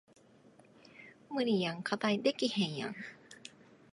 無理やん課題できへんやん